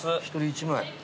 一人１枚。